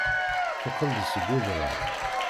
Teqqel-d seg udrar.